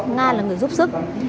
nga là người giúp sức